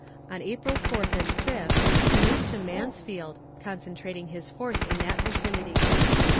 On April 4th and 5th. He moved to Mansfield, concentrating his force in that vicinity.